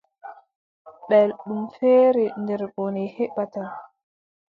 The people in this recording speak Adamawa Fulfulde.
Belɗum feere nder bone heɓata.